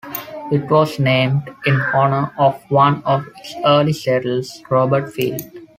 It was named in honor of one of its early settlers, Robert Field.